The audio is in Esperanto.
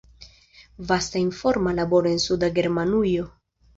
Vasta informa laboro en Suda Germanujo.